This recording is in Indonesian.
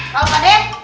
kau pak d